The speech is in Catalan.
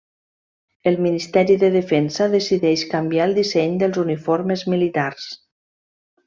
El Ministeri de Defensa decideix canviar el disseny dels uniformes militars.